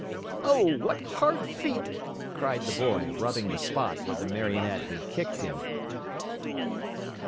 "Oh, what hard feet!" cried the boy, rubbing the spot where the Marionette had kicked him.